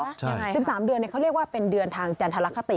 ยังไง๑๓เดือนเนี่ยเขาเรียกว่าเป็นเดือนทางจันทรคติ